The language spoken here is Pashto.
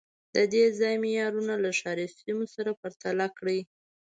د دې ځای معیارونه له ښاري سیمو سره پرتله کړئ